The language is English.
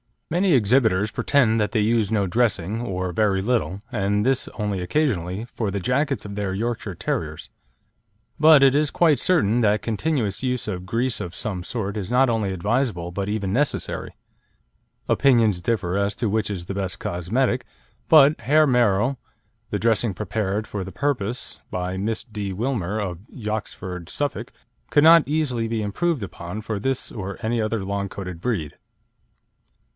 Many exhibitors pretend that they use no dressing, or very little, and this only occasionally, for the jackets of their Yorkshire Terriers; but it is quite certain that continuous use of grease of some sort is not only advisable but even necessary. Opinions differ as to which is the best cosmetic, but Hairmero, the dressing prepared for the purpose by Miss D. Wilmer, of Yoxford, Suffolk, could not easily be improved upon for this or any other long coated breed.